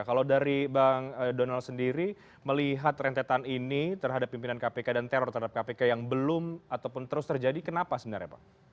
kalau dari bang donald sendiri melihat rentetan ini terhadap pimpinan kpk dan teror terhadap kpk yang belum ataupun terus terjadi kenapa sebenarnya pak